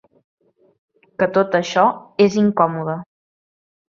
Que tot això és incòmode.